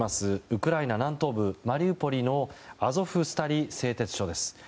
ウクライナ南東部マリウポリのアゾフスタリ製鉄所です。